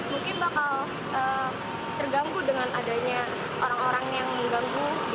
mungkin bakal terganggu dengan adanya orang orang yang mengganggu